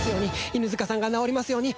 犬塚さんが治りますように。